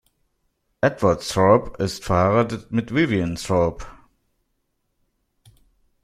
Edward Thorp ist verheiratet mit Vivian Thorp.